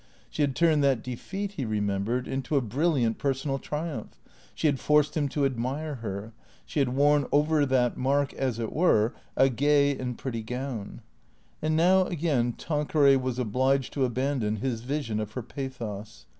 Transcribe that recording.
She had turned that defeat, he remembered, into a brilliant personal triumph; she had forced him to admire her; she had worn over that mark, as it were, a gay and pretty gown. And now, again, Tanqueray was obliged to abandon his vision of her pathos.